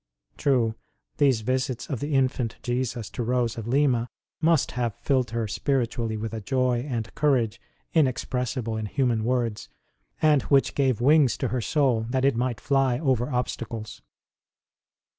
True, these visits of the Infant Jesus to Rose of Lima must have filled her spiritually with a joy and courage inexpressible in human words, and which gave wings to her soul that it might fly over obstacles.